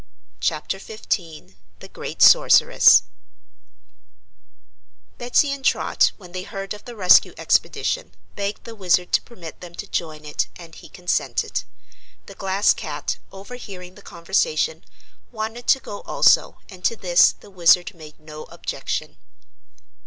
Chapter Fifteen The Great Sorceress Betsy and Trot, when they heard of the rescue expedition, begged the Wizard to permit them to join it and he consented. The Glass Cat, overhearing the conversation, wanted to go also and to this the Wizard made no objection.